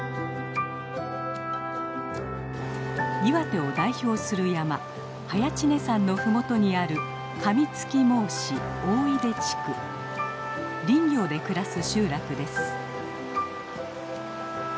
岩手を代表する山早池峰山の麓にある林業で暮らす集落です。